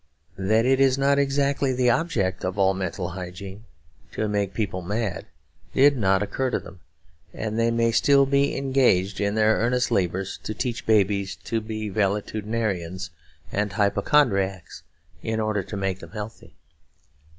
That it is not exactly the object of all mental hygiene to make people mad did not occur to them; and they may still be engaged in their earnest labours to teach babies to be valetudinarians and hypochondriacs in order to make them healthy.